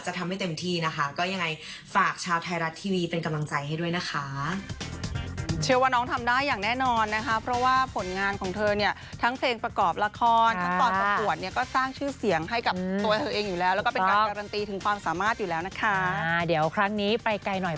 ทำให้เต็มที่นะคะก็ยังไงฝากชาวไทยรัฐทีวีเป็นกำลังใจให้ด้วยนะคะ